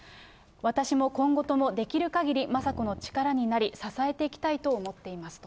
私も今後ともできるかぎり雅子の力になり、支えていきたいと思っていますと。